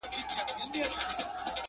كوم اكبر به ورانوي د فرنګ خونه٫